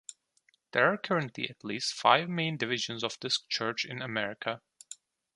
There are currently at least five main divisions of this church in America.